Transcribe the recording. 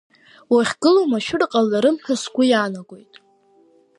Уахьгылоу машәыр ҟаларым ҳәа сгәы иаанагоит…